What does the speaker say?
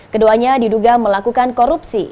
keduanya diduga melakukan korupsi